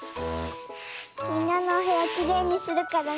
みんなのおへやきれいにするからね。